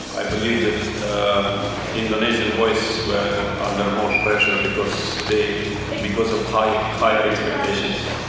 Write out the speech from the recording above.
saya percaya bahwa tim indonesia akan lebih berperan karena mereka memiliki keharusan yang tinggi